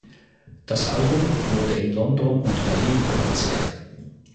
Das Album wurde in London und Berlin produziert.